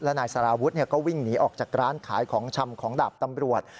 นายสารวุฒิก็วิ่งหนีออกจากร้านขายของชำของดาบตำรวจ